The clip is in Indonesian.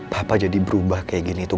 papa jadi berubah kayak gini tuh